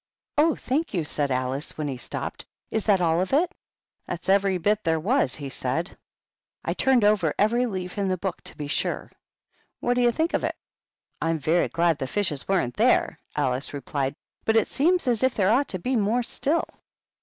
^ "Oh, thank you!" said Alice, when he stopped. " Is that all of it ?" "That's every bit there was," he said. "I HtJMPTY DtTMPfY. 97 turned over every leaf in the book to be sure. What do you think of it?" " Fm very glad the fishes weren't there," Alice replied. "But it seems as if there ought to be more still."